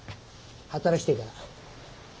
働きてえから。